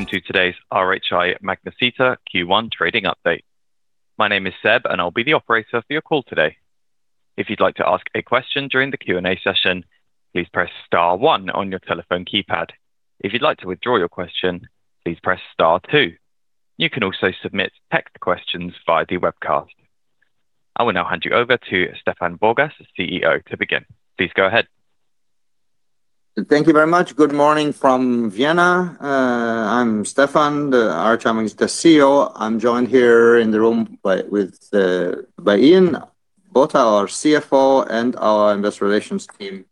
Welcome to today's RHI Magnesita Q1 trading update. My name is Seb, and I'll be the Operator for your call today. If you'd like to ask a question during the Q&A session, please press star one on your telephone keypad. If you'd like to withdraw your question, please press star two. You can also submit text questions via the webcast. I will now hand you over to Stefan Borgas, CEO, to begin. Please go ahead. Thank you very much. Good morning from Vienna. I'm Stefan, the RHI Magnesita CEO. I'm joined here in the room by, with, by Ian Botha, our CFO and our Investor Relations team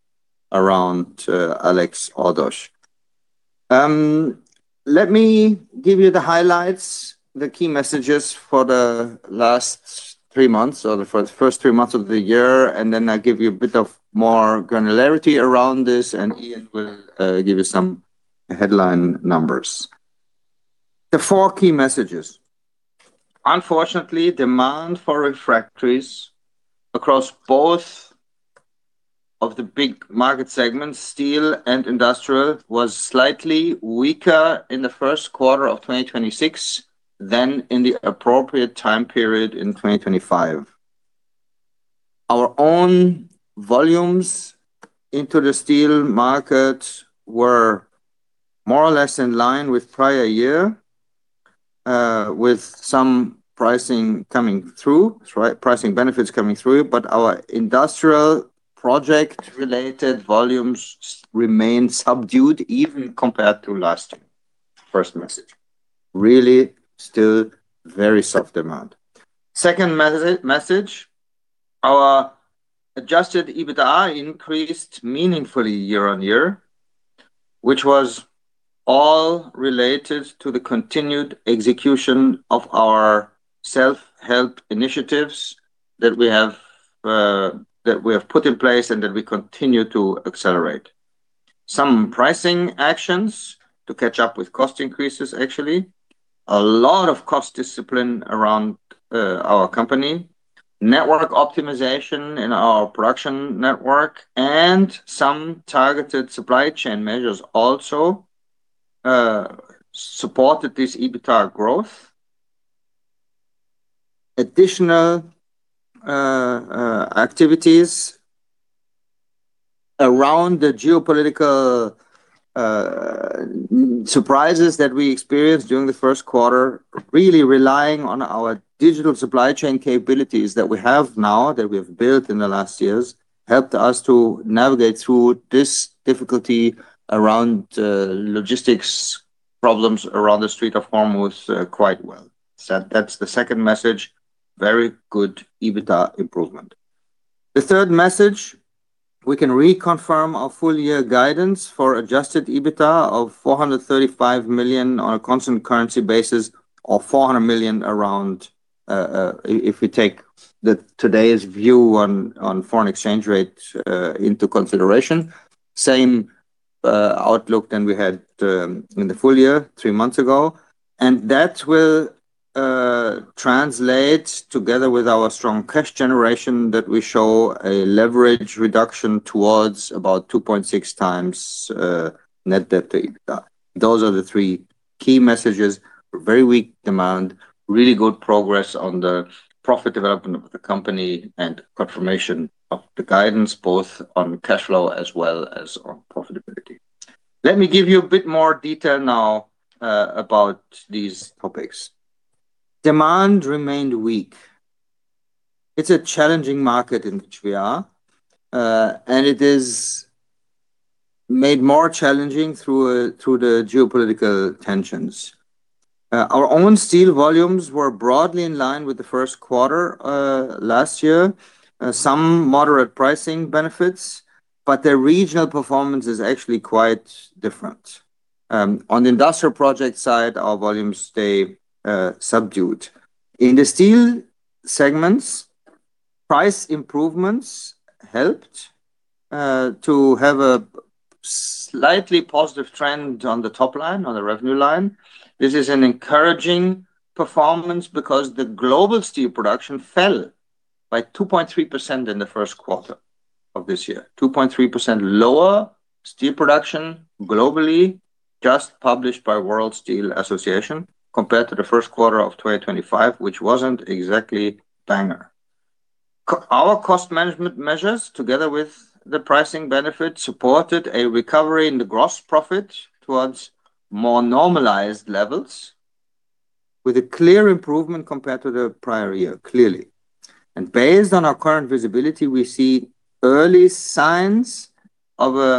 around Alex Aldous. Let me give you the highlights, the key messages for the last 3 months or the first 3 months of the year, and then I'll give you a bit of more granularity around this, and Ian will give you some headline numbers. The 4 key messages. Unfortunately, demand for refractories across both of the big market segments, steel and industrial, was slightly weaker in the first quarter of 2026 than in the appropriate time period in 2025. Our own volumes into the steel market were more or less in line with prior year, with some pricing coming through, right, pricing benefits coming through. Our industrial project-related volumes remained subdued even compared to last year. First message. Really still very soft demand. Second message, our adjusted EBITDA increased meaningfully year-on-year, which was all related to the continued execution of our self-help initiatives that we have put in place and that we continue to accelerate. Some pricing actions to catch up with cost increases, actually. A lot of cost discipline around our company. Network optimization in our production network and some targeted supply chain measures also supported this EBITDA growth. Additional activities around the geopolitical surprises that we experienced during the first quarter, really relying on our digital supply chain capabilities that we have built in the last years, helped us to navigate through this difficulty around logistics problems around the Strait of Hormuz quite well. That's the second message, very good EBITDA improvement. The third message, we can reconfirm our full year guidance for adjusted EBITDA of 435 million on a constant currency basis or 400 million around, if we take the today's view on foreign exchange rate into consideration. Same outlook than we had in the full year three months ago. That will translate together with our strong cash generation that we show a leverage reduction towards about 2.6x net debt to EBITDA. Those are the three key messages. Very weak demand, really good progress on the profit development of the company and confirmation of the guidance, both on cash flow as well as on profitability. Let me give you a bit more detail now about these topics. Demand remained weak. It's a challenging market in which we are, and it is made more challenging through the geopolitical tensions. Our own steel volumes were broadly in line with the first quarter last year. Some moderate pricing benefits, but their regional performance is actually quite different. On the industrial project side, our volumes stay subdued. In the steel segments, price improvements helped to have a slightly positive trend on the top line, on the revenue line. This is an encouraging performance because the global steel production fell by 2.3% in the first quarter of this year. 2.3% lower steel production globally just published by World Steel Association compared to the first quarter of 2025, which wasn't exactly banger. Our cost management measures, together with the pricing benefit, supported a recovery in the gross profit towards more normalized levels with a clear improvement compared to the prior year, clearly. Based on our current visibility, we see early signs of a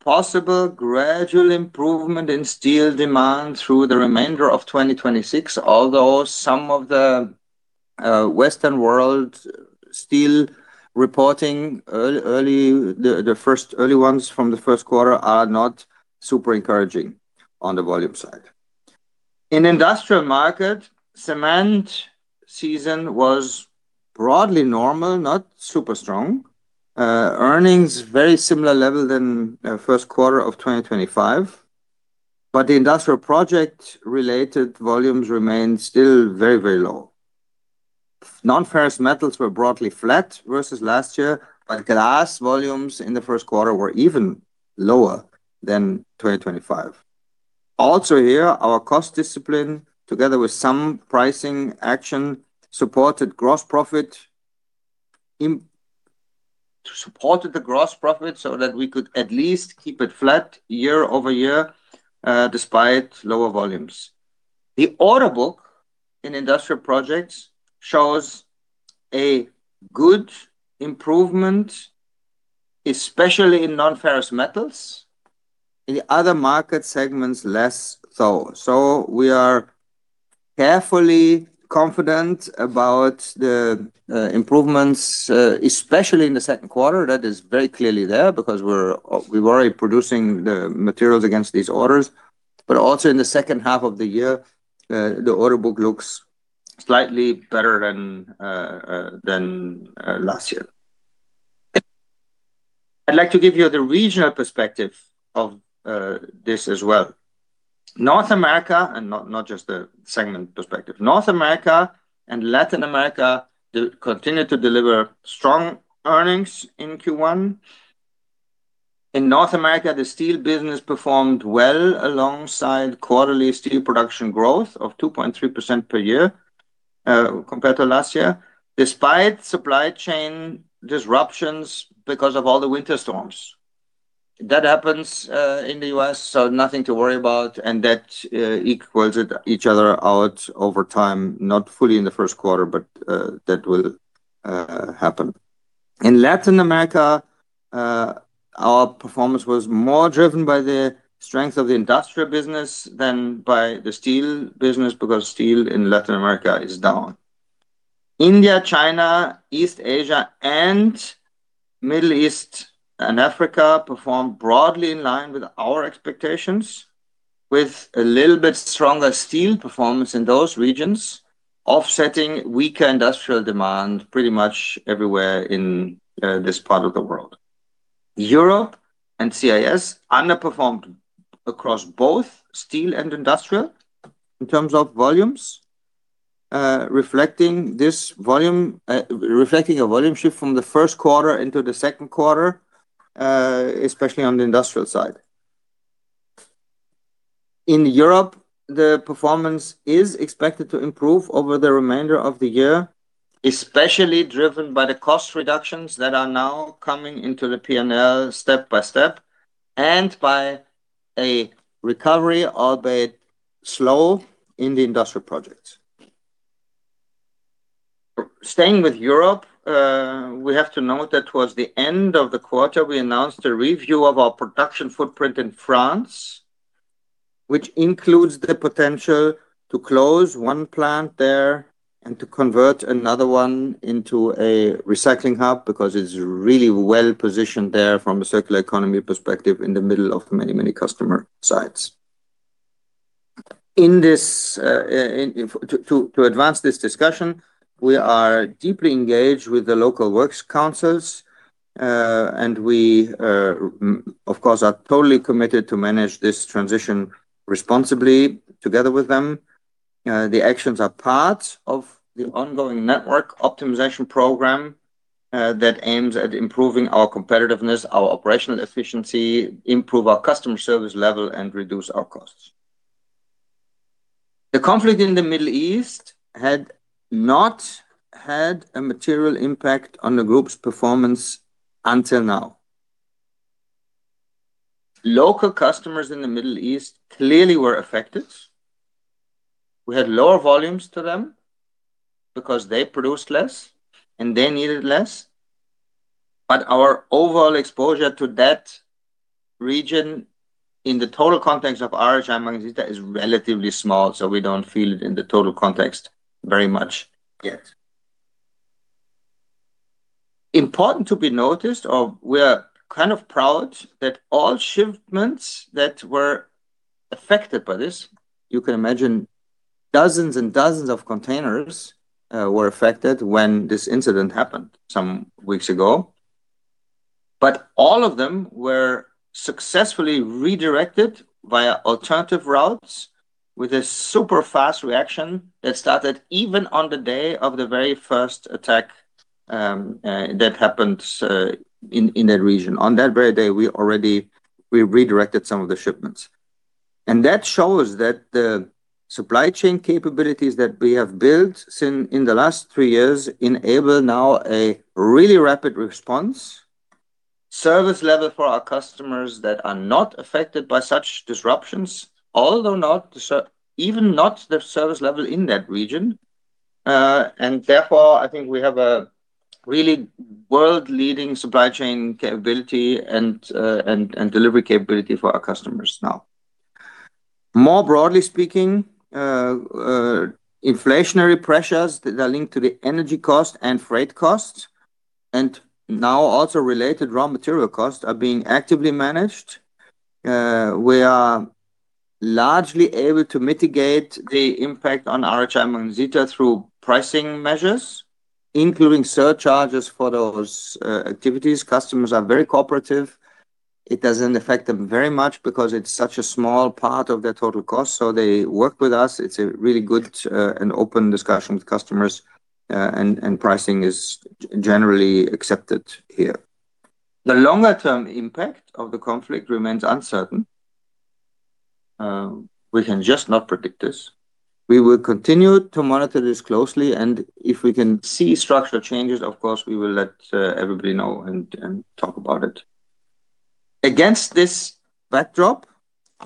possible gradual improvement in steel demand through the remainder of 2026, although some of the Western world steel reporting early, the first early ones from the first quarter are not super encouraging on the volume side. In industrial market, cement season was broadly normal, not super strong. Earnings very similar level than first quarter of 2025, the industrial project related volumes remain still very, very low. Non-ferrous metals were broadly flat versus last year, glass volumes in the first quarter were even lower than 2025. Our cost discipline, together with some pricing action, supported gross profit to support the gross profit so that we could at least keep it flat year-over-year, despite lower volumes. The order book in industrial projects shows a good improvement, especially in non-ferrous metals. In the other market segments, less so. We are carefully confident about the improvements, especially in the second quarter. That is very clearly there because we're already producing the materials against these orders. Also in the second half of the year, the order book looks slightly better than last year. I'd like to give you the regional perspective of this as well. North America, not just the segment perspective. North America and Latin America continue to deliver strong earnings in Q1. In North America, the steel business performed well alongside quarterly steel production growth of 2.3% per year, compared to last year, despite supply chain disruptions because of all the winter storms. That happens in the U.S., so nothing to worry about, and that equals it each other out over time. Not fully in the first quarter, but that will happen. In Latin America, our performance was more driven by the strength of the industrial business than by the steel business, because steel in Latin America is down. India, China, East Asia, and Middle East and Africa performed broadly in line with our expectations, with a little bit stronger steel performance in those regions, offsetting weaker industrial demand pretty much everywhere in this part of the world. Europe and CIS underperformed across both steel and industrial in terms of volumes, reflecting a volume shift from the first quarter into the second quarter, especially on the industrial side. In Europe, the performance is expected to improve over the remainder of the year, especially driven by the cost reductions that are now coming into the P&L step by step and by a recovery, albeit slow, in the industrial projects. Staying with Europe, we have to note that towards the end of the quarter, we announced a review of our production footprint in France, which includes the potential to close one plant there and to convert another one into a recycling hub because it's really well-positioned there from a circular economy perspective in the middle of many, many customer sites. In this, to advance this discussion, we are deeply engaged with the local works councils, and we of course, are totally committed to manage this transition responsibly together with them. The actions are part of the ongoing network optimization program that aims at improving our competitiveness, our operational efficiency, improve our customer service level, and reduce our costs. The conflict in the Middle East had not had a material impact on the group's performance until now. Local customers in the Middle East clearly were affected. We had lower volumes to them because they produced less, and they needed less. Our overall exposure to that region in the total context of RHI Magnesita is relatively small, so we don't feel it in the total context very much yet. Important to be noticed, we are kind of proud that all shipments that were affected by this, you can imagine dozens and dozens of containers, were affected when this incident happened some weeks ago. All of them were successfully redirected via alternative routes with a super fast reaction that started even on the day of the very first attack that happened in that region. On that very day, we already redirected some of the shipments. That shows that the supply chain capabilities that we have built in the last three years enable now a really rapid response service level for our customers that are not affected by such disruptions, although even not the service level in that region. Therefore, I think we have a really world-leading supply chain capability and delivery capability for our customers now. More broadly speaking, inflationary pressures that are linked to the energy cost and freight costs, and now also related raw material costs are being actively managed. We are largely able to mitigate the impact on RHI Magnesita through pricing measures, including surcharges for those activities. Customers are very cooperative. It doesn't affect them very much because it's such a small part of their total cost, so they work with us. It's a really good and open discussion with customers, and pricing is generally accepted here. The longer term impact of the conflict remains uncertain. We can just not predict this. We will continue to monitor this closely, and if we can see structural changes, of course, we will let everybody know and talk about it. Against this backdrop,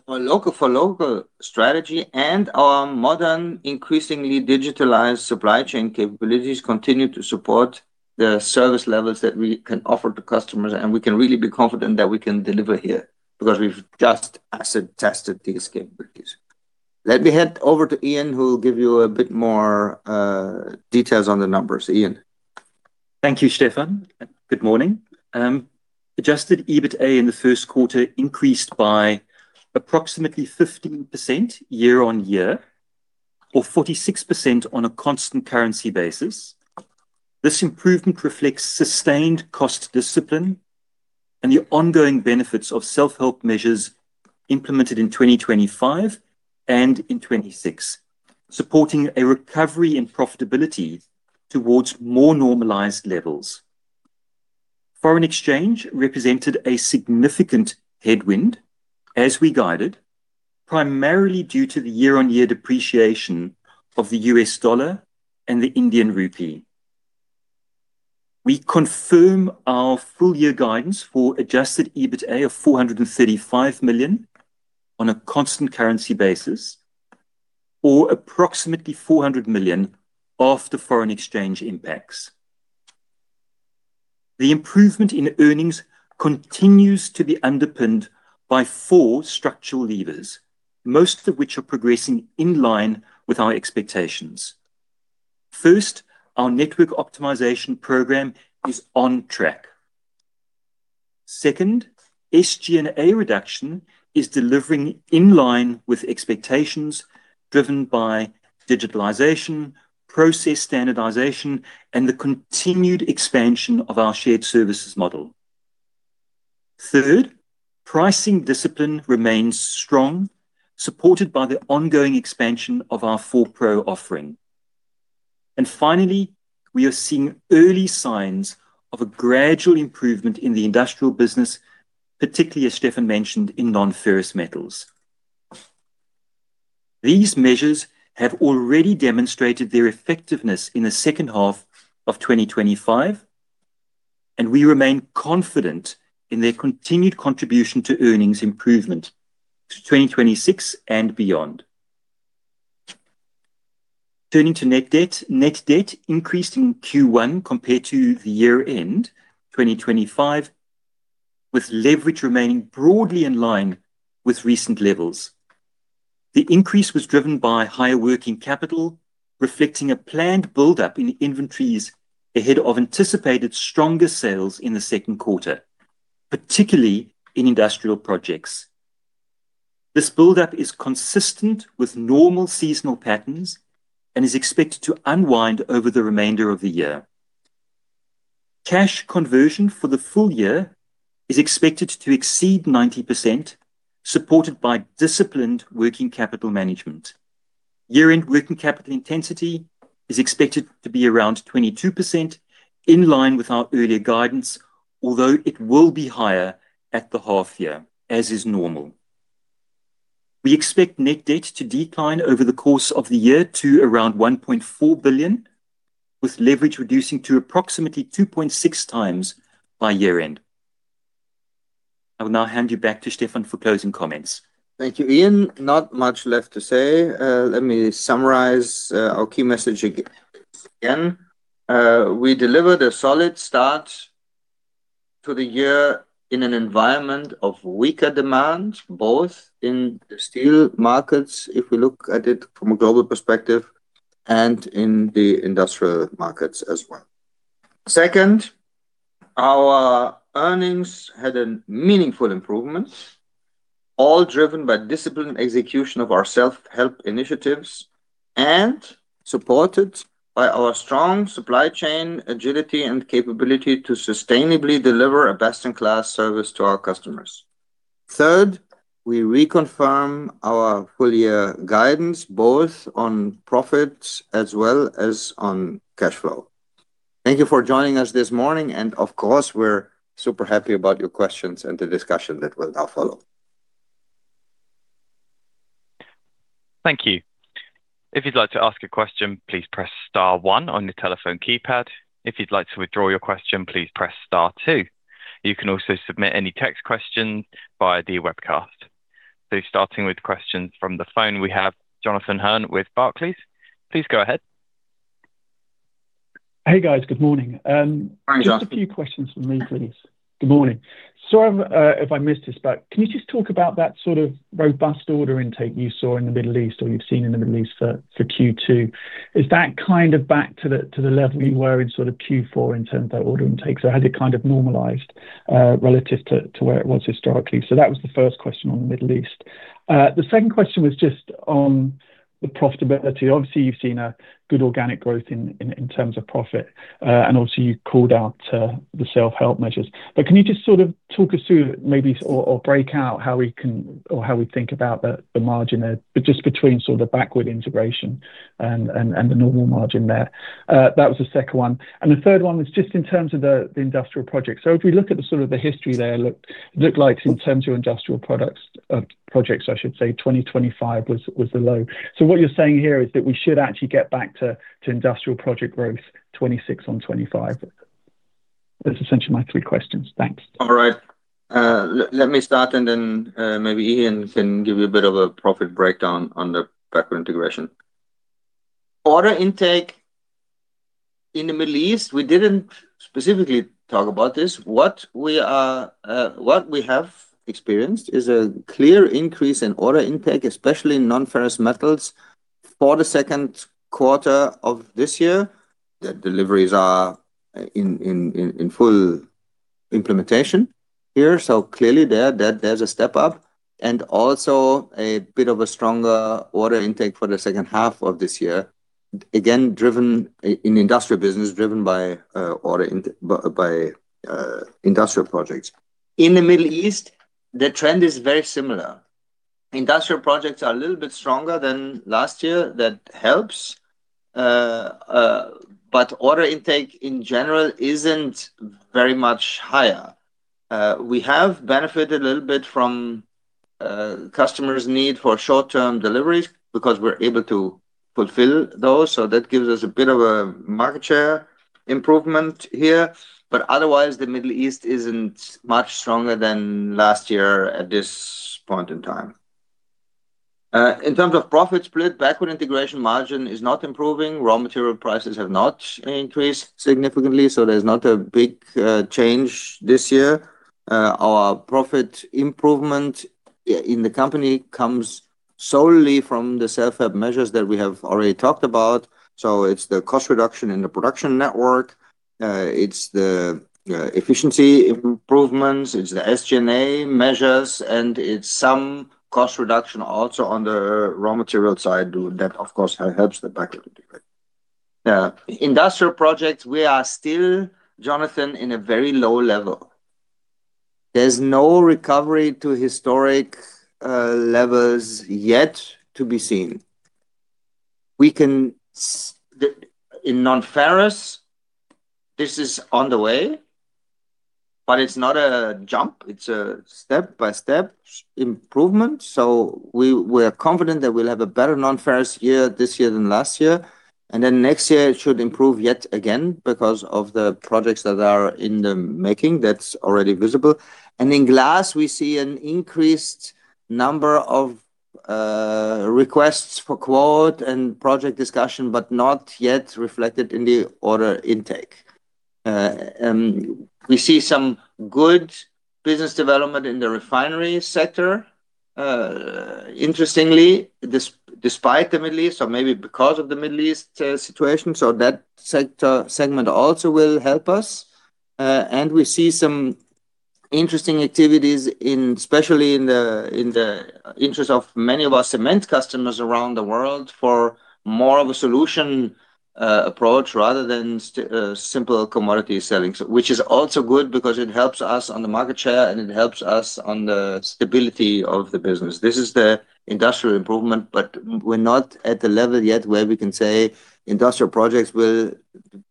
our local-for-local strategy and our modern, increasingly digitalized supply chain capabilities continue to support the service levels that we can offer to customers, and we can really be confident that we can deliver here because we've just acid tested these capabilities. Let me hand over to Ian, who will give you a bit more details on the numbers. Thank you, Stefan. Good morning. Adjusted EBITA in the first quarter increased by approximately 15% year-on-year or 46% on a constant currency basis. This improvement reflects sustained cost discipline and the ongoing benefits of self-help measures implemented in 2025 and in 2026, supporting a recovery in profitability towards more normalized levels. Foreign exchange represented a significant headwind as we guided, primarily due to the year-on-year depreciation of the U.S. dollar and the Indian rupee. We confirm our full year guidance for adjusted EBITDA of 435 million on a constant currency basis, or approximately 400 million after foreign exchange impacts. The improvement in earnings continues to be underpinned by four structural levers, most of which are progressing in line with our expectations. First, our network optimization program is on track. Second, SG&A reduction is delivering in line with expectations driven by digitalization, process standardization, and the continued expansion of our shared services model. Third, pricing discipline remains strong, supported by the ongoing expansion of our 4PRO offering. Finally, we are seeing early signs of a gradual improvement in the industrial business, particularly, as Stefan mentioned, in non-ferrous metals. These measures have already demonstrated their effectiveness in the second half of 2025, and we remain confident in their continued contribution to earnings improvement to 2026 and beyond. Turning to net debt. Net debt increased in Q1 compared to the year-end 2025, with leverage remaining broadly in line with recent levels. The increase was driven by higher working capital, reflecting a planned buildup in inventories ahead of anticipated stronger sales in the second quarter, particularly in industrial projects. This buildup is consistent with normal seasonal patterns and is expected to unwind over the remainder of the year. Cash conversion for the full year is expected to exceed 90%, supported by disciplined working capital management. Year-end working capital intensity is expected to be around 22%, in line with our earlier guidance, although it will be higher at the half year, as is normal. We expect net debt to decline over the course of the year to around 1.4 billion, with leverage reducing to approximately 2.6 times by year end. I will now hand you back to Stefan for closing comments. Thank you, Ian. Not much left to say. Let me summarize our key message again. We delivered a solid start to the year in an environment of weaker demand, both in the steel markets, if we look at it from a global perspective, and in the industrial markets as well. Second, our earnings had a meaningful improvement, all driven by disciplined execution of our self-help initiatives and supported by our strong supply chain agility and capability to sustainably deliver a best-in-class service to our customers. Third, we reconfirm our full year guidance, both on profits as well as on cash flow. Thank you for joining us this morning, of course, we're super happy about your questions and the discussion that will now follow. Thank you. If you'd like to ask a question, please press star one on your telephone keypad. If you'd like to withdraw your question, please press star two. You can also submit any text questions via the webcast. Starting with questions from the phone, we have Jonathan Hearn with Barclays. Please go ahead. Hey, guys. Good morning. Hi, Jonathan. Just a few questions from me, please. Good morning. Sorry if I missed this, but can you just talk about that sort of robust order intake you saw in the Middle East or you've seen in the Middle East for Q2? Is that kind of back to the level you were in sort of Q4 in terms of order intake? Has it kind of normalized relative to where it was historically? That was the first question on the Middle East. The second question was just on the profitability. Obviously, you've seen a good organic growth in terms of profit and also you called out the self-help measures. Can you just sort of talk us through maybe or break out how we can or how we think about the margin there, just between sort of the backward integration and the normal margin there? That was the second one. The third one was just in terms of the industrial project. If we look at the sort of the history there looked like in terms of industrial projects, I should say, 2025 was the low. What you're saying here is that we should actually get back to industrial project growth 26 on 25. That's essentially my three questions. Thanks. All right. Let me start, and then maybe Ian can give you a bit of a profit breakdown on the backward integration. Order intake in the Middle East, we didn't specifically talk about this. What we have experienced is a clear increase in order intake, especially in non-ferrous metals for the second quarter of this year. The deliveries are in full implementation here, so clearly there that there's a step up and also a bit of a stronger order intake for the second half of this year. Driven in industrial business, driven by industrial projects. In the Middle East, the trend is very similar. Industrial projects are a little bit stronger than last year. That helps. Order intake in general isn't very much higher. We have benefited a little bit from customers' need for short-term deliveries because we're able to fulfill those, that gives us a bit of a market share improvement here. Otherwise, the Middle East isn't much stronger than last year at this point in time. In terms of profit split, backward integration margin is not improving. Raw material prices have not increased significantly, there's not a big change this year. Our profit improvement in the company comes solely from the self-help measures that we have already talked about, it's the cost reduction in the production network, it's the efficiency improvements, it's the SG&A measures, and it's some cost reduction also on the raw material side too. That, of course, helps the backward delivery. Industrial projects, we are still, Jonathan, in a very low level. There's no recovery to historic levels yet to be seen. In non-ferrous, this is on the way, but it's not a jump. It's a step-by-step improvement, we're confident that we'll have a better non-ferrous year this year than last year. Next year it should improve yet again because of the projects that are in the making. That's already visible. In glass, we see an increased number of requests for quote and project discussion, not yet reflected in the order intake. We see some good business development in the refinery sector. Interestingly, despite the Middle East or maybe because of the Middle East situation. That sector, segment also will help us. We see some interesting activities in, especially in the, in the interest of many of our cement customers around the world for more of a solution approach rather than simple commodity selling. Which is also good because it helps us on the market share, and it helps us on the stability of the business. This is the industrial improvement, but we're not at the level yet where we can say industrial projects will,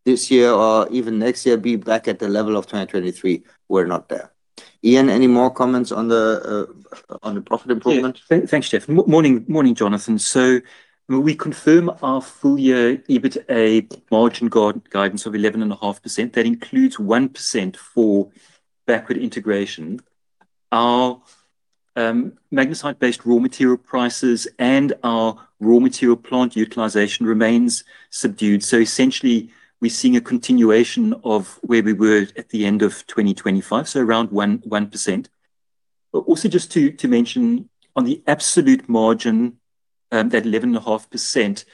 this year or even next year, be back at the level of 2023. We're not there. Ian, any more comments on the on the profit improvement? Thanks, Stefan. Morning, morning, Jonathan. We confirm our full year EBITDA margin guidance of 11.5%. That includes 1% for backward integration. Our magnesite-based raw material prices and our raw material plant utilization remains subdued. Essentially, we're seeing a continuation of where we were at the end of 2025, so around 1%. Also just to mention on the absolute margin, that 11.5%,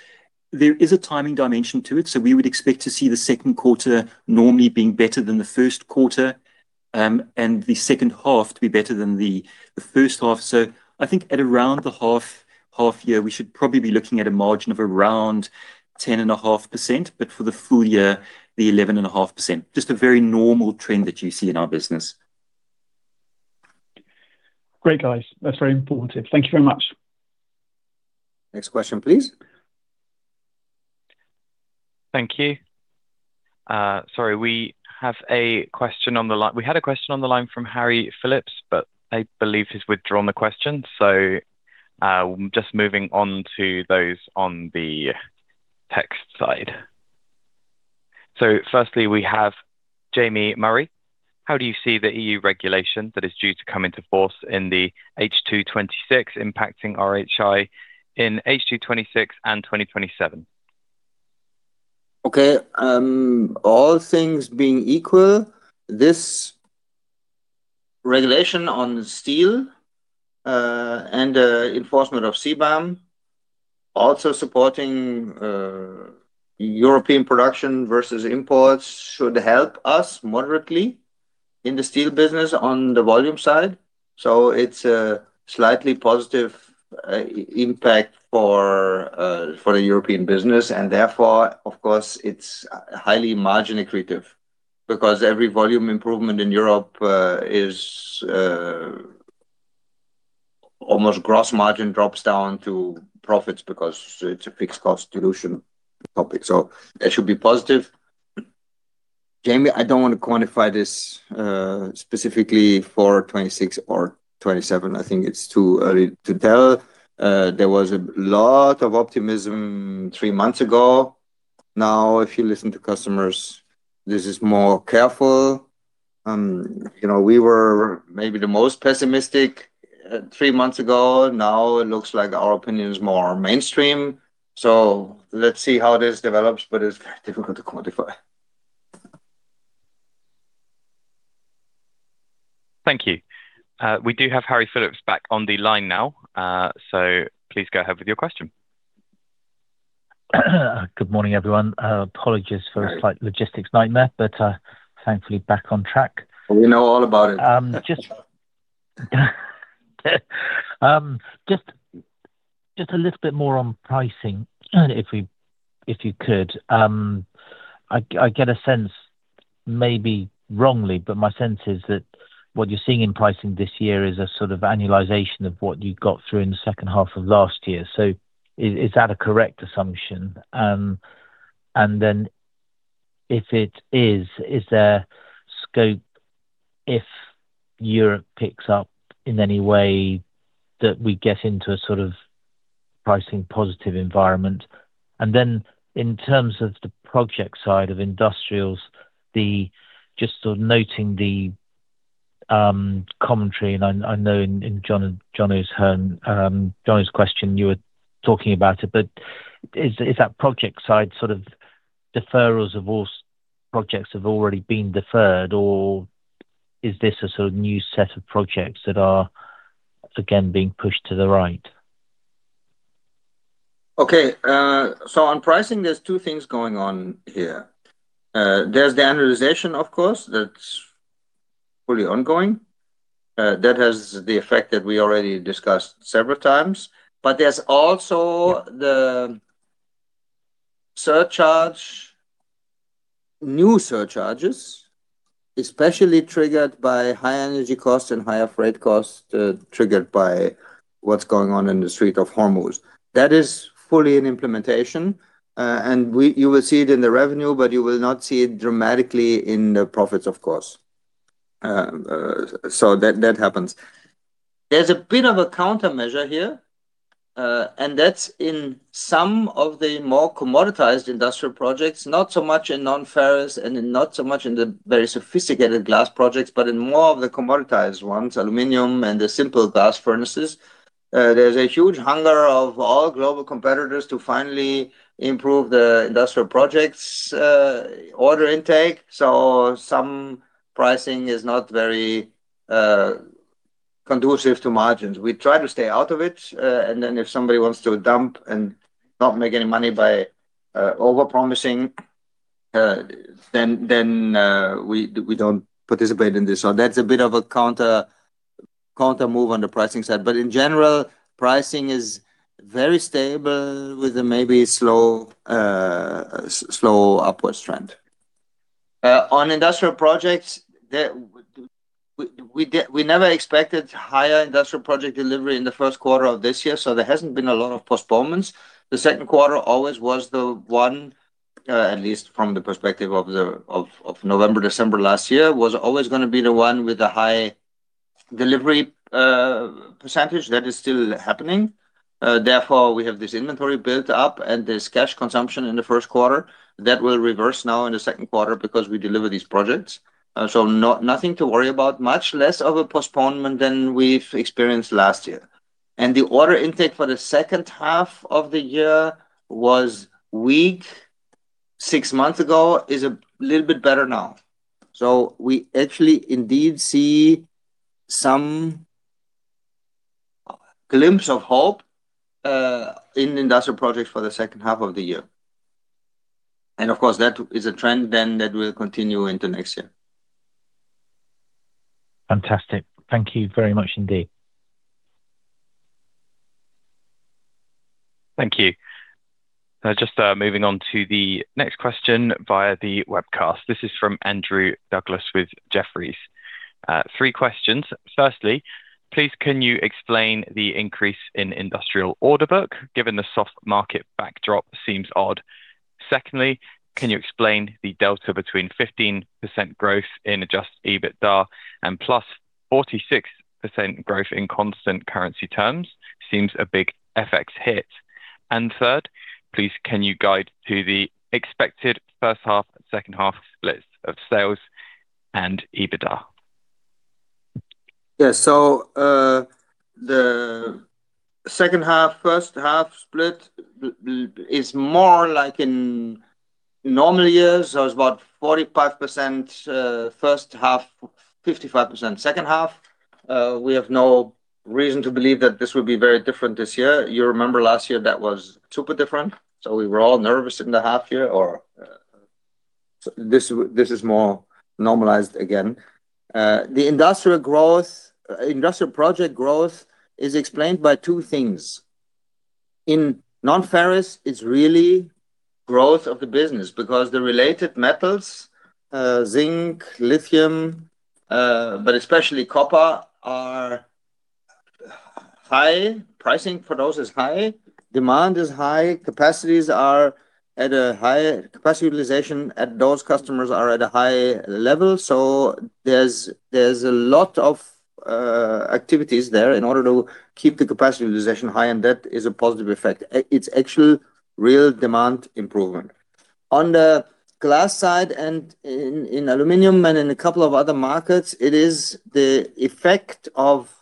there is a timing dimension to it. We would expect to see the second quarter normally being better than the first quarter, and the second half to be better than the first half. I think at around the half year, we should probably be looking at a margin of around 10.5%. For the full year, the 11.5%. Just a very normal trend that you see in our business. Great, guys. That's very informative. Thank you very much. Next question please. Thank you. Sorry, we have a question on the line. We had a question on the line from Harry Phillips, but I believe he's withdrawn the question. Just moving on to those on the text side. Firstly, we have Jamie Murray. How do you see the EU regulation that is due to come into force in the H2 2026 impacting RHI in H2 2026 and 2027? Okay. All things being equal, this regulation on steel and enforcement of CBAM. Also supporting European production versus imports should help us moderately in the steel business on the volume side. It's a slightly positive impact for the European business and therefore of course it's highly margin accretive because every volume improvement in Europe is almost gross margin drops down to profits because it's a fixed cost dilution topic. That should be positive. Jamie, I don't want to quantify this specifically for 2026 or 2027. I think it's too early to tell. There was a lot of optimism three months ago. If you listen to customers, this is more careful. You know, we were maybe the most pessimistic three months ago. It looks like our opinion is more mainstream. Let's see how this develops, but it's very difficult to quantify. Thank you. We do have Harry Phillips back on the line now. Please go ahead with your question. Good morning, everyone. Hi A slight logistics nightmare, but thankfully back on track. We know all about it. Just a little bit more on pricing if we, if you could. I get a sense, maybe wrongly, but my sense is that what you're seeing in pricing this year is a sort of annualization of what you got through in the second half of last year. Is that a correct assumption? If it is there scope if Europe picks up in any way that we get into a sort of pricing positive environment? In terms of the project side of industrials. Just sort of noting the commentary and I know in Jonathan Hearn's question you were talking about it, but is that project side sort of deferrals of all projects have already been deferred or is this a sort of new set of projects that are again being pushed to the right? Okay. On pricing, there's two things going on here. There's the annualization of course, that's fully ongoing. That has the effect that we already discussed several times. There's also the surcharge, new surcharges, especially triggered by high energy costs and higher freight costs, triggered by what's going on in the Strait of Hormuz. That is fully in implementation. You will see it in the revenue, but you will not see it dramatically in the profits, of course. That, that happens. There's a bit of a countermeasure here, and that's in some of the more commoditized industrial projects, not so much in non-ferrous and not so much in the very sophisticated glass projects, but in more of the commoditized ones, aluminum and the simple glass furnaces. There's a huge hunger of all global competitors to finally improve the industrial projects' order intake, some pricing is not very conducive to margins. We try to stay out of it. If somebody wants to dump and not make any money by overpromising, then we don't participate in this. That's a bit of a countermove on the pricing side. In general, pricing is very stable with a maybe slow upward trend. On industrial projects, we never expected higher industrial project delivery in the first quarter of this year, there hasn't been a lot of postponements. The second quarter always was the one, at least from the perspective of the November, December last year, was always gonna be the one with the high delivery percentage. That is still happening. Therefore, we have this inventory built up and this cash consumption in the first quarter. That will reverse now in the second quarter because we deliver these projects. Nothing to worry about, much less of a postponement than we've experienced last year. The order intake for the second half of the year was weak 6 months ago, is a little bit better now. We actually indeed see some glimpse of hope in industrial projects for the second half of the year. Of course, that is a trend then that will continue into next year. Fantastic. Thank you very much indeed. Thank you. Just moving on to the next question via the webcast. This is from Andrew Douglas with Jefferies. 3 questions. Firstly, please can you explain the increase in industrial order book? Given the soft market backdrop, seems odd. Secondly, can you explain the delta between 15% growth in adjusted EBITDA and +46% growth in constant currency terms? Seems a big FX hit. Third, please can you guide to the expected first half and second half splits of sales and EBITDA? Yeah. The second half/first half split is more like in normal years, it's about 45% first half, 55% second half. We have no reason to believe that this will be very different this year. You remember last year that was super different. We were all nervous in the half year or, this is more normalized again. The industrial project growth is explained by 2 things. In non-ferrous, it's really growth of the business because the related metals, zinc, lithium, but especially copper are high. Pricing for those is high, demand is high, capacities are at a high capacity utilization at those customers are at a high level. There's a lot of activities there in order to keep the capacity utilization high, and that is a positive effect. It's actual real demand improvement. On the glass side and in aluminum and in a couple of other markets, it is the effect of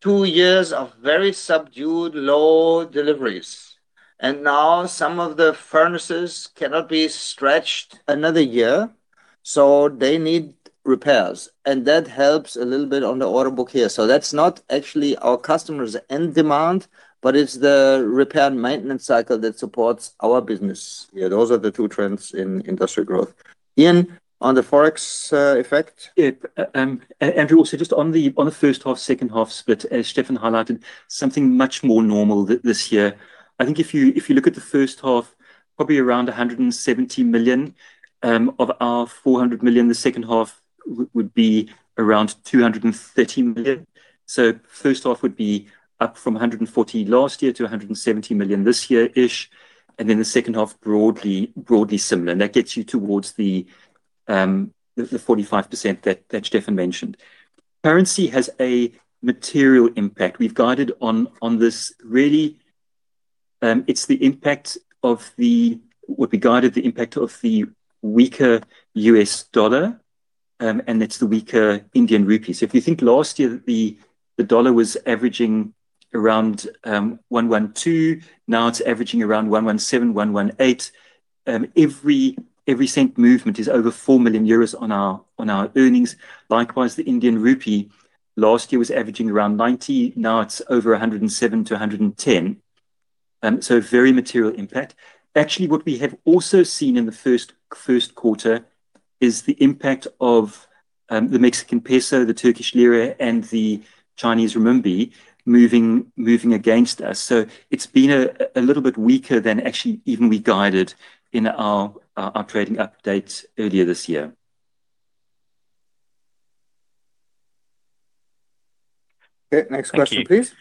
two years of very subdued low deliveries. Now some of the furnaces cannot be stretched another year, so they need repairs and that helps a little bit on the order book here. That's not actually our customers' end demand, but it's the repair and maintenance cycle that supports our business. Those are the two trends in industrial growth. Ian, on the Forex effect. Yeah. Andrew, also just on the first half/second half split, as Stefan highlighted, something much more normal this year. I think if you look at the first half, probably around 170 million of our 400 million. The second half would be around 230 million. First half would be up from 140 last year to 170 million this year-ish. Then the second half, broadly similar. That gets you towards the 45% that Stefan mentioned. Currency has a material impact. We've guided on this really. It's the impact of what we guided the impact of the weaker U.S. dollar, it's the weaker Indian rupee. If you think last year the U.S. dollar was averaging around 1.12, now it's averaging around 1.17, 1.18. Every cent movement is over 4 million euros on our earnings. Likewise, the Indian rupee last year was averaging around 90, now it's over 107-110. Very material impact. Actually, what we have also seen in the first quarter is the impact of the Mexican peso, the Turkish lira, and the Chinese renminbi moving against us. It's been a little bit weaker than actually even we guided in our trading update earlier this year. Okay. Next question, please.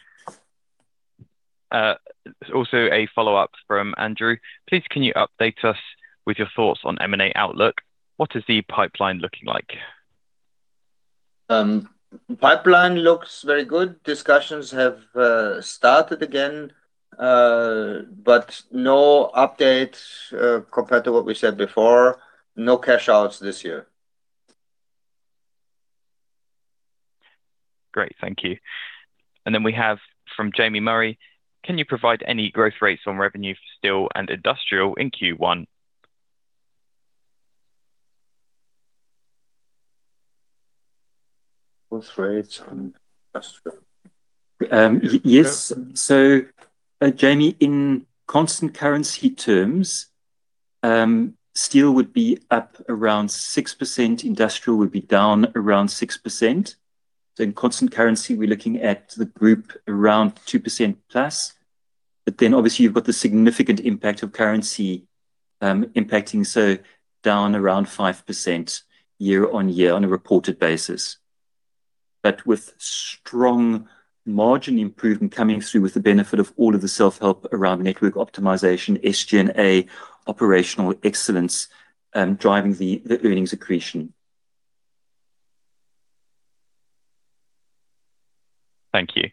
Thank you. Also a follow-up from Andrew. Please can you update us with your thoughts on M&A outlook? What is the pipeline looking like? Pipeline looks very good. Discussions have started again, but no updates compared to what we said before. No cash outs this year. Great. Thank you. Then we have from Jamie Murray: Can you provide any growth rates on revenue for steel and industrial in Q1? Growth rates on industrial. Yes. Jamie, in constant currency terms, steel would be up around 6%, industrial would be down around 6%. In constant currency, we're looking at the group around +2%. Obviously, you've got the significant impact of currency impacting, so down around 5% year-on-year on a reported basis. With strong margin improvement coming through with the benefit of all of the self-help around network optimization, SG&A operational excellence driving the earnings accretion. Thank you.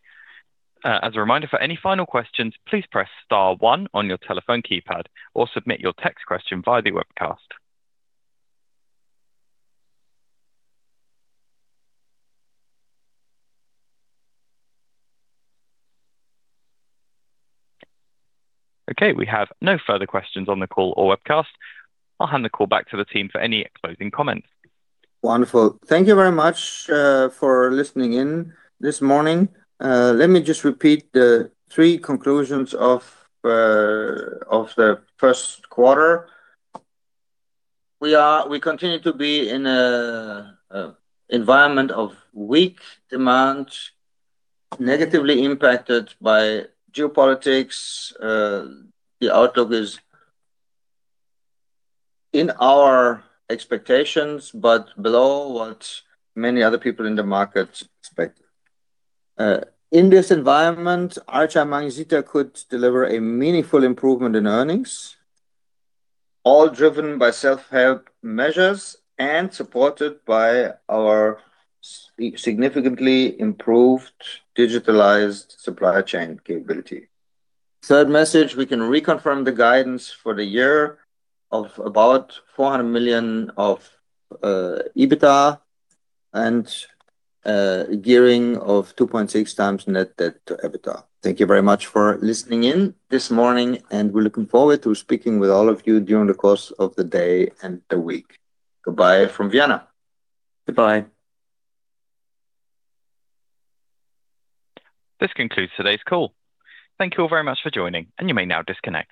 As a reminder, for any final questions, please press star 1 on your telephone keypad or submit your text question via the webcast. Okay. We have no further questions on the call or webcast. I'll hand the call back to the team for any closing comments. Wonderful. Thank you very much for listening in this morning. Let me just repeat the three conclusions of the first quarter. We continue to be in a environment of weak demand, negatively impacted by geopolitics. The outlook is in our expectations, but below what many other people in the market expect. In this environment, RHI Magnesita could deliver a meaningful improvement in earnings, all driven by self-help measures and supported by our significantly improved digitalized supply chain capability. Third message, we can reconfirm the guidance for the year of about 400 million of EBITDA and gearing of 2.6 times net debt to EBITDA. Thank you very much for listening in this morning, and we're looking forward to speaking with all of you during the course of the day and the week. Goodbye from Vienna. Goodbye. This concludes today's call. Thank you all very much for joining, and you may now disconnect.